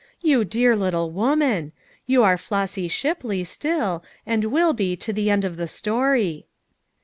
You dear little woman! You are Flossy Shipley, still, and will he to the end of the storv."